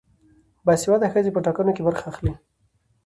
باسواده ښځې په ټاکنو کې برخه اخلي.